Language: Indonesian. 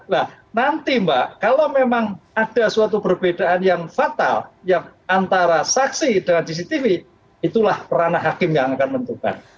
nah nanti mbak kalau memang ada suatu perbedaan yang fatal yang antara saksi dengan cctv itulah ranah hakim yang akan menentukan